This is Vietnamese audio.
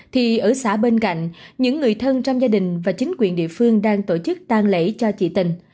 thì ở xã bên cạnh những người thân trong gia đình và chính quyền địa phương đang tổ chức tan lễ cho chị tình